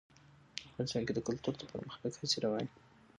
افغانستان کې د کلتور د پرمختګ هڅې روانې دي.